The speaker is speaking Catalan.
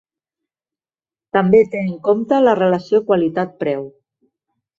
També té en compte la relació qualitat-preu.